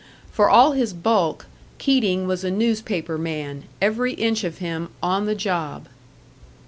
For all his bulk, Keating was a newspaper man, every inch of him "on the job."